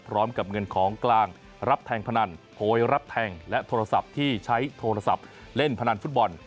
พร้อมกับเงินของกลางรับแทงพนันโพยรับแทงและโทรศัพท์ที่ใช้โทรศัพท์เล่นพนันฟุตบอล